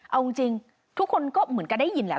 เอาจริงทุกคนก็เหมือนกันได้ยินแหละ